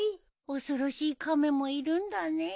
恐ろしい亀もいるんだね。